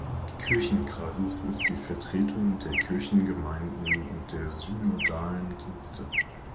Kirchenkreises ist die Vertretung der Kirchengemeinden und der synodalen Dienste.